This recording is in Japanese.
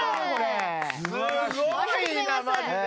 すごいなマジで。